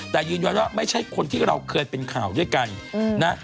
แต่ยืนยันว่าไม่ใช่คนที่เราเคยเป็นข่าวด้วยกันนะ